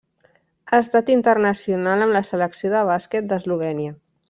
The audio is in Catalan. Ha estat internacional amb la Selecció de bàsquet d'Eslovènia.